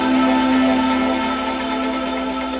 โปรดติดตามตอนต่อไป